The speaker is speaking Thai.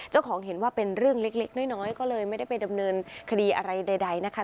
เห็นว่าเป็นเรื่องเล็กน้อยก็เลยไม่ได้ไปดำเนินคดีอะไรใดนะคะ